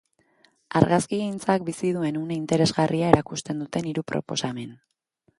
Argazkigintzak bizi duen une interesgarria erakusten duten hiru proposamen.